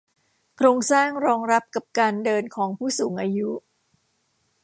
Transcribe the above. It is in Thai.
โครงสร้างรองรับกับการเดินของผู้สูงอายุ